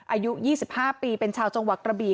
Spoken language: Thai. อายุ๒๕ปีเป็นชาวจังหวัดกระบี่